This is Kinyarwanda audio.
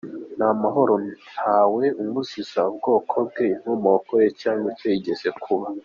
n’Amahoro ntawe umuziza ubwoko bwe, inkomoko ye cyanga icyo yigeze kuba,